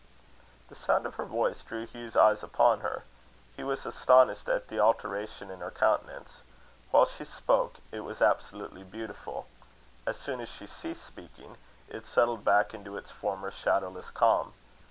The sound of her voice drew Hugh's eyes upon her: he was astonished at the alteration in her countenance. While she spoke it was absolutely beautiful. As soon as she ceased speaking, it settled back into its former shadowless calm.